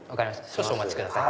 少々お待ちください。